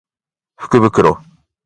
福袋